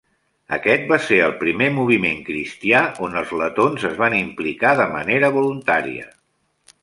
Aquest va ser el primer moviment cristià on els letons es van implicar de manera voluntària.